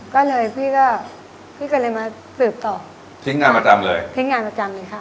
ก็เลยพี่ก็พี่ก็เลยมาสืบต่อทิ้งงานประจำเลยทิ้งงานประจำเลยค่ะ